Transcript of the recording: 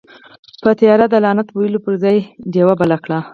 په تيارو ده لعنت ويلو پر ځئ، ډيوه بله کړه.